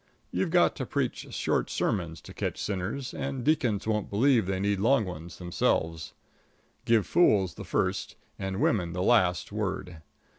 You've got to preach short sermons to catch sinners; and deacons won't believe they need long ones themselves. Give fools the first and women the last word.